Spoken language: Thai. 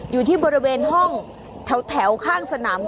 อยู่ที่บริเวณห้องแถวข้างสนาม